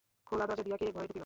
খোলা দরজা দিয়া কে ঘরে ঢুকিল।